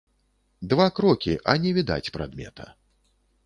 Два крокі, а не відаць прадмета.